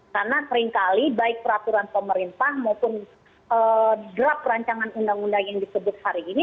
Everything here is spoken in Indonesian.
karena seringkali baik peraturan pemerintah maupun draft rancangan undang undang yang disebut hari ini